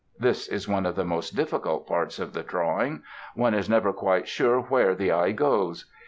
This is one of the most difficult parts of Drawing; one is never quite sure where the eye goes.